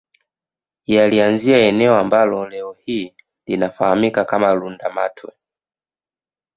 Yaliianzia eneo ambalo leo hii linafahamika kama Lundamatwe